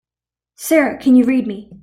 Sara can you read me?